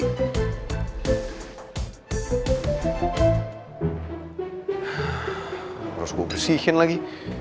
harus gue bersihin lagi